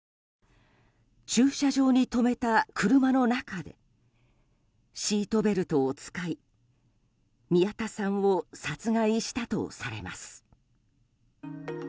駐車場に止めた車の中でシートベルトを使い宮田さんを殺害したとされます。